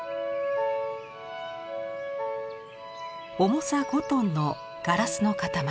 重さ５トンのガラスの塊。